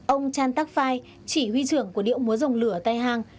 ông chan tak fai chỉ huy trưởng của điệu múa dòng lửa tây hàng